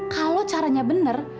kalo caranya bener